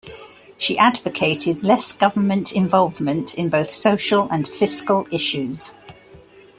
She advocated less government involvement in both social and fiscal issues.